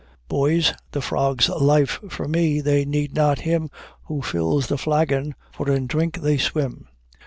"Boys, the frogs' life for me! They need not him Who fills the flagon, for in drink they swim.